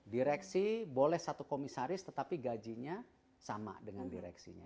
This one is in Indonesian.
direksi boleh satu komisaris tetapi gajinya sama dengan direksinya